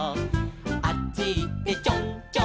「あっちいってちょんちょん」